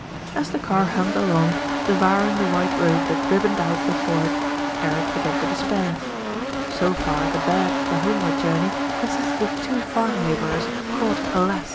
As the car hummed along, devouring the white road that ribboned out before it, Eric began to despair. So MR. TASSELL IS SURPRISED 161 far the "bag" for the homeward journey consisted of two farm labourers, caught, alas!